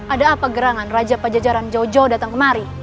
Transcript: ada apa gerangan raja pajajaran jauh jauh datang kemari